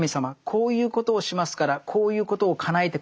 こういうことをしますからこういうことをかなえて下さい」。